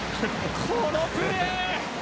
このプレー！